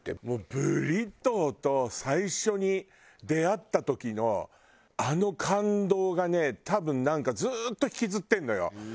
ブリトーと最初に出会った時のあの感動がね多分なんかずーっと引きずってるのよ。